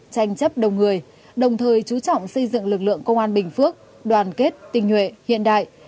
tranh chấp đồng người đồng thời chú trọng xây dựng lực lượng công an bình phước đoàn kết tình huệ hiện đại